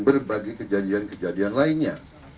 berbagai kejadian kejadian lainnya